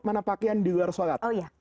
mana pakaian di luar sholat